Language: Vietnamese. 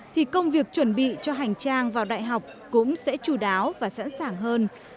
thì công việc chuẩn bị cho hành trang vào đại học cũng sẽ chú đáo và sẵn sàng hơn